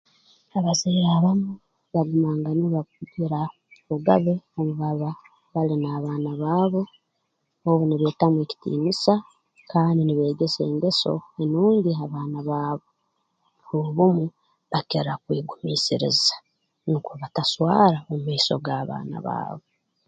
Abazaire abamu bagumanganirwa kugira obugabe obu baba bali n'abaana baabo obu nibeetamu ekitiinisa kandi nibeegesa engeso enungi ha baana baabo obumu bakira kwegumiisiriza nukwo bataswara mu maiso g'abaana baabo